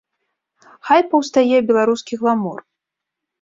Хай паўстае беларускі гламур.